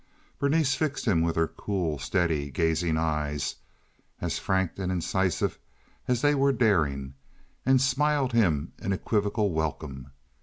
Berenice fixed him with her cool, steady gazing eyes, as frank and incisive as they were daring, and smiled him an equivocal welcome.